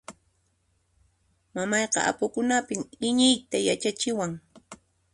Mamayqa apukunapin iñiyta yachachiwan.